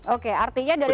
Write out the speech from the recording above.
oke artinya dari